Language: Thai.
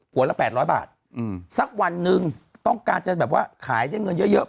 หัวละ๘๐๐บาทสักวันหนึ่งต้องการจะแบบว่าขายได้เงินเยอะเยอะ